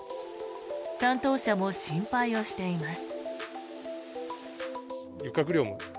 担当者も心配をしています。